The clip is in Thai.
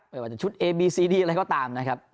ไม่ว่าจะชุดเอบีซีดีอะไรก็ตามนะครับ